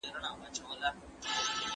څوک د ملي لوبغاړو ملاتړ او هڅونه کوي؟